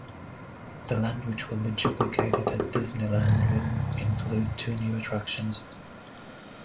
The land, which will be duplicated at Disneyland, will include two new attractions.